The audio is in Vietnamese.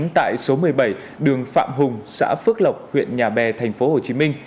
tại số một mươi bảy đường phạm hùng xã phước lộc huyện nhà bè tp hcm